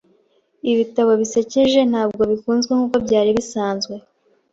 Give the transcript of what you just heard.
Ibitabo bisekeje ntabwo bikunzwe nkuko byari bisanzwe.